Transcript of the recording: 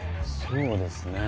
そうですね。